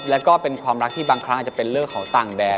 แล้วก็เป็นความรักที่บางครั้งอาจจะเป็นเรื่องของต่างแดด